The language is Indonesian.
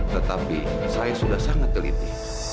tetapi saya sudah sangat teliti